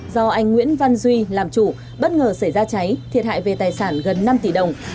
do anh nguyễn văn duy làm chủ bất ngờ xảy ra cháy thiệt hại về tài sản gần năm tỷ đồng